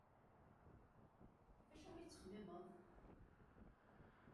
Ɣef wacu ay la tettxemmimeḍ?